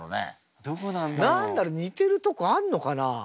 何だろう似てるとこあんのかな？